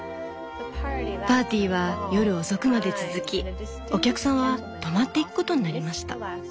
「パーティーは夜遅くまで続きお客さんは泊まっていくことになりました。